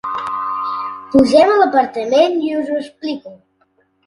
Pugem a l'apartament i us ho explico.